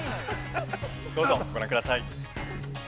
◆どうぞ、ご覧ください。